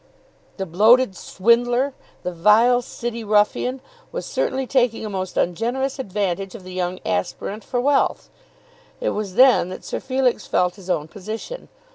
The bloated swindler, the vile city ruffian, was certainly taking a most ungenerous advantage of the young aspirant for wealth. It was then that Sir Felix felt his own position.